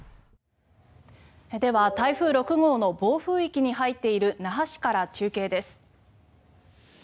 では、台風６号の暴風域に入っている那覇市から中継です。